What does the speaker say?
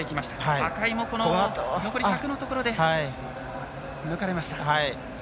赤井も残り１００のところで抜かれました。